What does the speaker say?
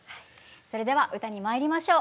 それでは歌にまいりましょう。